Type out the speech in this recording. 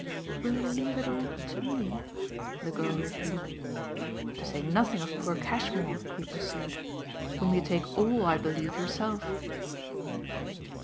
"Will you leave it all to ME?" the girl repeated. "To say nothing of poor Cashmore," he pursued, "whom you take ALL, I believe, yourself?"